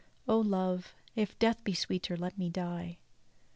Oh, Love, if death be sweeter, let me die.